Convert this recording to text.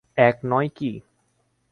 এক নয় কি?